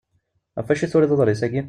Ɣef acu i turiḍ aḍris-agi?